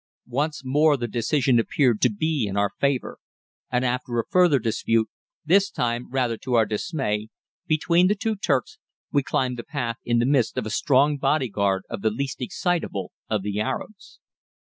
Once more the decision appeared to be in our favor; and, after a further dispute, this time rather to our dismay, between the two Turks, we climbed the path in the midst of a strong bodyguard of the least excitable of the Arabs.